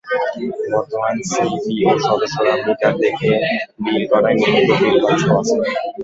বর্তমানে সিবিও সদস্যরা মিটার দেখে বিল করায় নিয়মিত বিল পাচ্ছে ওয়াসা।